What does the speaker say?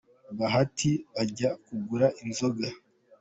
Bahita bajya kugura inzoga.